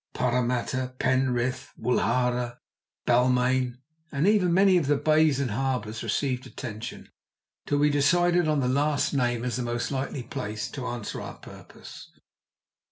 Paramatta, Penrith, Woolahra, Balmain, and even many of the bays and harbours, received attention, until we decided on the last named as the most likely place to answer our purpose.